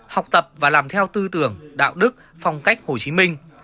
học tập và làm theo tư tưởng đạo đức phong cách hồ chí minh